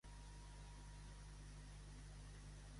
El rei i la reina Sirikit van concebre tres filles i un fill.